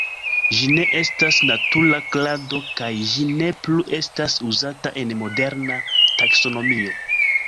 Ĝi ne estas natura klado kaj ĝi ne plu estas uzata en moderna taksonomio.